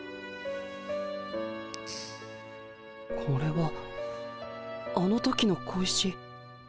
これはあの時の小石。